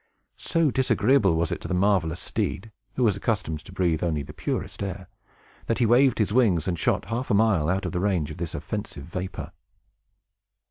So disagreeable was it to the marvelous steed (who was accustomed to breathe only the purest air), that he waved his wings, and shot half a mile out of the range of this offensive vapor.